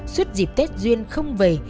suốt dịp tết duyên không về